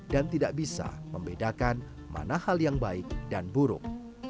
dan tidak bisa membedakan mana hal yang baik dan buruk